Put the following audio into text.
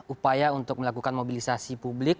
upaya untuk melakukan mobilisasi publik